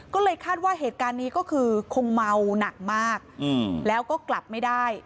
ก็เลยคาดว่าเหตุการณ์นี้ก็คือคงเมาหนักมากแล้วก็กลับไม่ได้